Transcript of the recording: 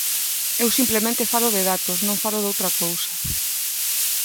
Eu simplemente falo de datos, non falo doutra cousa.